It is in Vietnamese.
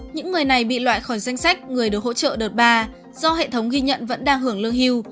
những người này bị loại khỏi danh sách người được hỗ trợ đợt ba do hệ thống ghi nhận vẫn đang hưởng lương hưu